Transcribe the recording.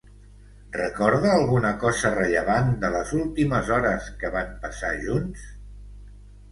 Recorda alguna cosa rellevant de les últimes hores que van passar junts?